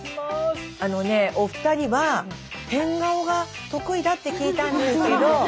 あのねお二人は変顔が得意だって聞いたんですけど。